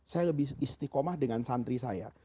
saya lebih istiqomah dengan santri saya